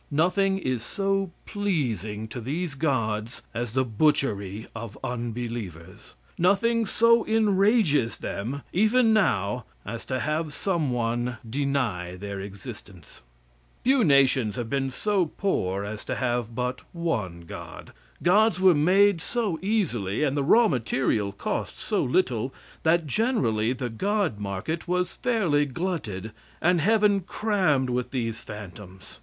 Nothing is so pleasing to these gods as the butchery of unbelievers. Nothing so enrages them, even now as to have some one deny their existence. Few nations have been so poor as to have but one god. Gods were made so easily, and the raw material cost so little, that generally the god market was fairly glutted, and heaven crammed with these phantoms.